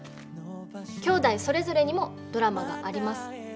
きょうだいそれぞれにもドラマがあります。